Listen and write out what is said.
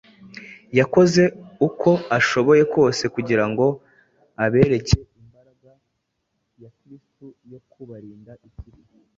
yakoze uko ashoboye kose kugira ngo abereke imbaraga ya Kristo yo kubarinda ikibi.